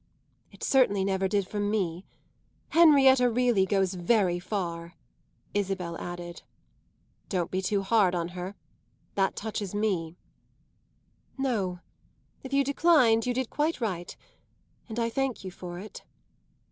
"It certainly never did from me. Henrietta really goes very far," Isabel added. "Don't be too hard on her that touches me." "No; if you declined you did quite right, and I thank you for it."